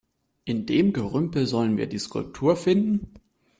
In dem Gerümpel sollen wir die Skulptur finden?